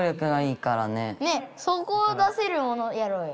そこを出せるものやろうよ。